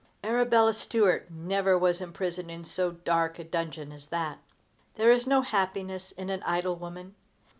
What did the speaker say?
Arabella Stuart never was imprisoned in so dark a dungeon as that. There is no happiness in an idle woman.